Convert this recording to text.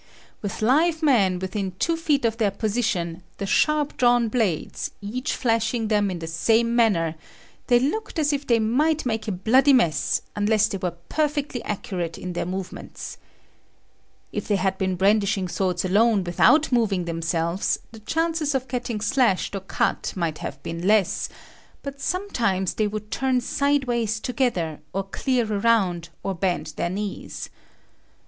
With live men within two feet of their position, the sharp drawn blades, each flashing them in the same manner, they looked as if they might make a bloody mess unless they were perfectly accurate in their movements. If it had been brandishing swords alone without moving themselves, the chances of getting slashed or cut might have been less, but sometimes they would turn sideways together, or clear around, or bend their knees.